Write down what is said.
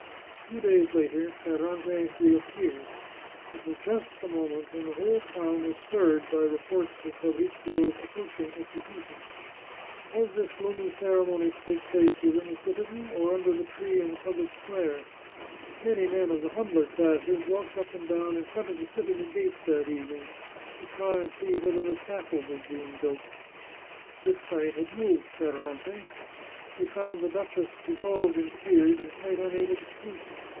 Two days later Ferrante reappeared. It was just at the moment when the whole town was stirred by reports of Fa brizio's approaching execution. Was this gloomy ceremony to take place within the citadel, or under the tree in the public square ? Many men of the humbler classes walked up and down in front of the citadel gates that evening, to try and see whether the scaffold was being built. This sight had moved Ferrante. He found the duchess dissolved in tears, and quite unable to speak.